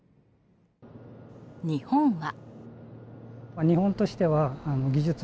日本は。